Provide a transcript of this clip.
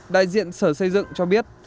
đại diện sở xây dựng cho biết